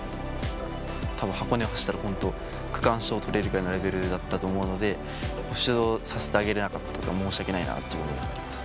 たぶん箱根を走ったら、本当区間賞取れるぐらいのレベルだったと思うので、出場させてあげられなかったのが、申し訳ないなという思いがあります。